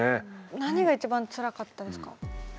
何が一番つらかったですか？